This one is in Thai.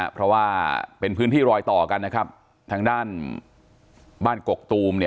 เพราะว่าเป็นพื้นที่รอยต่อกันนะครับทางด้านบ้านกกตูม